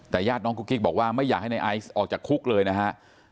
แต่ญาติน้องกุ๊กกิ๊กบอกว่าไม่อยากให้ในไอซ์ออกจากคุกเลยนะฮะ